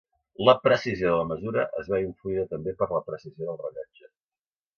La precisió de la mesura es veu influïda també per la precisió del rellotge.